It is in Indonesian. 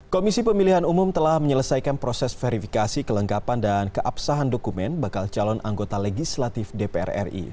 komisi pemilihan umum telah menyelesaikan proses verifikasi kelengkapan dan keabsahan dokumen bakal calon anggota legislatif dpr ri